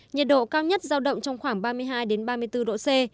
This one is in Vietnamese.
nhiệt độ cao nhất giao động trong khoảng ba mươi hai ba mươi bốn độ c